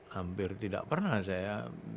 hampir tidak pernah saya